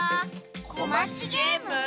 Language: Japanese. こまちゲーム？